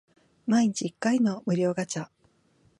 毎日一回の無料ガチャ